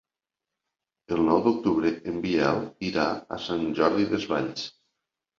El nou d'octubre en Biel irà a Sant Jordi Desvalls.